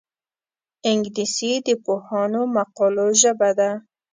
انګلیسي د پوهانو مقالو ژبه ده